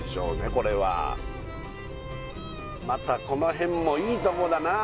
これはまたこの辺もいいとこだなあ